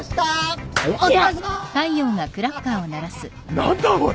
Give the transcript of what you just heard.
何だおい。